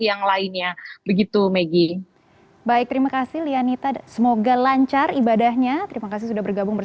yang lainnya begitu megi baik terima kasih lianita semoga lancar ibadahnya terima kasih sudah bergabung